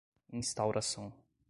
instauração